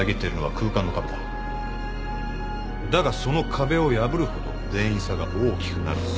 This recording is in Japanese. だがその壁を破るほど電位差が大きくなると。